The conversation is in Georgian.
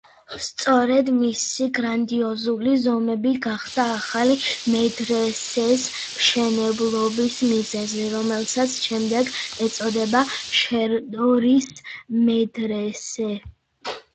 სწორედ მისი გრანდიოზული ზომები გახდა ახალი მედრესეს მშენებლობის მიზეზი, რომელსაც შემდეგ ეწოდა შერდორის მედრესე.